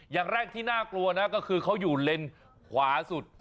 อย่างแรกที่น่ากลัวนะก็คือเขาอยู่เลนขวาสุด